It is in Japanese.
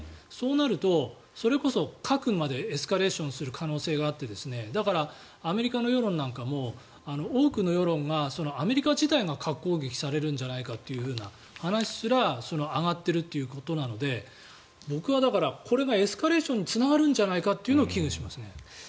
そうなると、それこそ核までエスカレーションする可能性があってだから、アメリカの世論なんかも多くの世論がアメリカ自体が核攻撃されるんじゃないかという話すら上がっているということなので僕はこれがエスカレーションにつながるんじゃないかというのを危惧しますね。